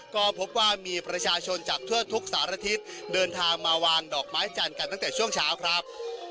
ก็พบว่ามีประชาชนจากทั่วทุกสารทิศเดินทางมาวางดอกไม้จันทร์กันตั้งแต่ช่วงเช้าครับ